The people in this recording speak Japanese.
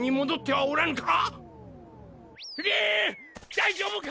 大丈夫か！！